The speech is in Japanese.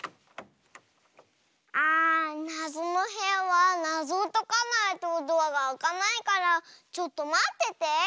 あなぞのへやはなぞをとかないとドアがあかないからちょっとまってて。